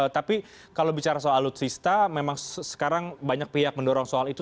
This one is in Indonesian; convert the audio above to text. tapi kalau bicara soal alutsista memang sekarang banyak pihak mendorong soal itu